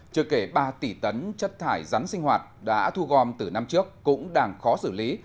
chưa kể ba tỷ tấn chất thải rắn sinh hoạt đã thu gom từ năm trước cũng đang khó xử lý